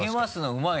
うまい。